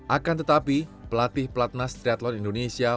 akan tetapi pelatih pelatnas triathlon indonesia